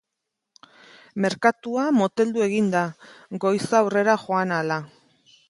Merkatua moteldu egin da, goiza aurrera joan ahala.